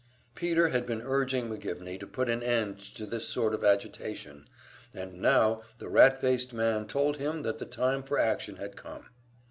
Peter had been urging McGivney to put an end to this sort of agitation, and now the rat faced man told him that the time for action had come.